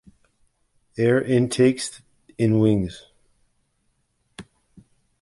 Air intakes in wings.